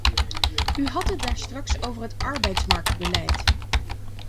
U had het daarstraks over het arbeidsmarktbeleid.